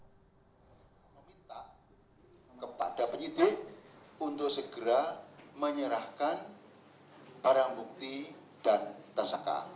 saya meminta kepada penyidik untuk segera menyerahkan barang bukti dan tersangka